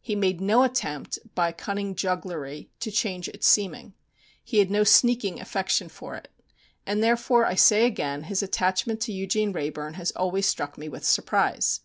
He made no attempt by cunning jugglery to change its seeming. He had no sneaking affection for it. And therefore, I say again, his attachment to Eugene Wrayburn has always struck me with surprise.